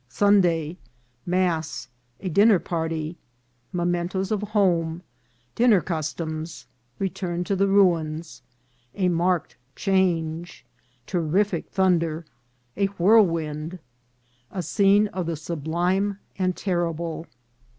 — Sunday. — Mass. — A Dinner Party. — Mementoes of Home. — Dinner Customs. — Return to the Ruins. — A marked Change. — Terrific Thun der.— A Whirlwind.— A Scene of the Sublime and Terrible.